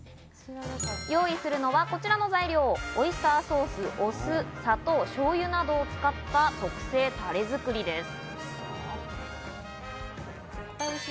用意するのはこちらの材料、オイスターソース、砂糖、しょうゆなどを使った特製のタレ作りです。